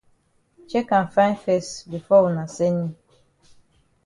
Chek am fine fes before wuna send yi.